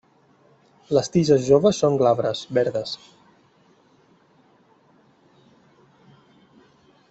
Les tiges joves són glabres, verdes.